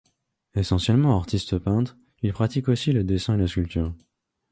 Essentiellement artiste-peintre, il pratique aussi le dessin et la sculpture.